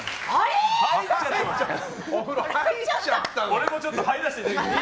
俺もちょっと入らせていただきます！